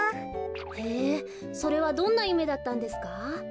へえそれはどんなゆめだったんですか？